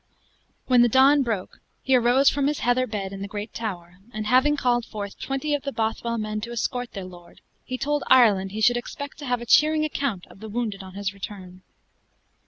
When the dawn broke, he arose from his heather bed in the great tower; and having called forth twenty of the Bothwell men to escort their lord, he told Ireland he should expect to have a cheering account of the wounded on his return.